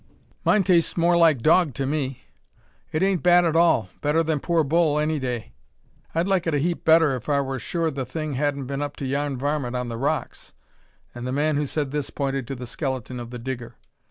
"Mine tastes more like dog to me." "It ain't bad at all; better than poor bull any day." "I'd like it a heap better if I war sure the thing hadn't been up to yon varmint on the rocks." And the man who said this pointed to the skeleton of the Digger.